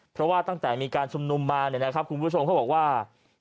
เพราะว่าตั้งแต่มีการชมนุมมาคุณผู้ชมก็บอกว่า